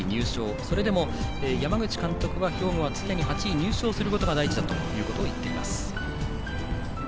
それでも、山口監督は兵庫は常に８位に入賞することが大事だということを言っています。